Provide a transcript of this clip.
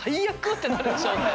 ってなるでしょうね。